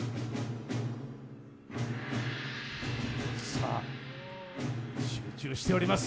さあ、集中しております。